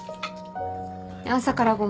朝からごめん。